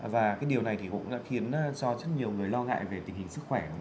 và điều này cũng khiến rất nhiều người lo ngại về tình hình sức khỏe